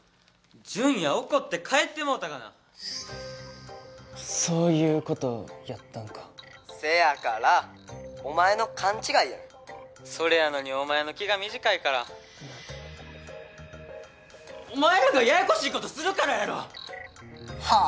ジュンヤ怒って帰っそういうことやったんかせやからお前の勘違いやねんそれやのにお前の気が短いからお前らがややこしいことするからやろはぁ？